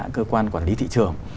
cơ quan quản lý thị trường